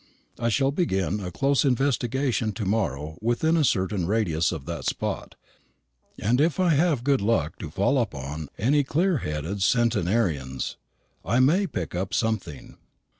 I shall begin a close investigation to morrow within a certain radius of that spot; and if I have the good luck to fall upon any clear headed centenarians, I may pick up something.